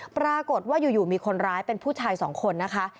ปรากฏว่าอยู่มีคนร้ายเป็นผู้ชายสองคนนะคะ